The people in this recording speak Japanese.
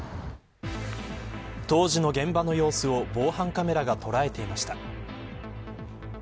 当時の現場の様子を防犯カメラが捉えていました。